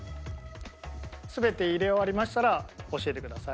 全て入れ終わりましたら教えてください。